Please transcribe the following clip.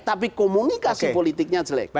tapi komunikasi politiknya jelek